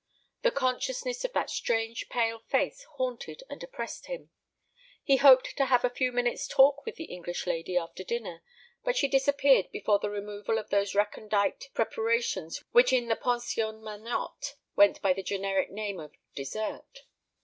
The consciousness of that strange pale face haunted and oppressed him. He hoped to have a few minutes' talk with the English lady after dinner, but she disappeared before the removal of those recondite preparations which in the Pension Magnotte went by the generic name of "dessert."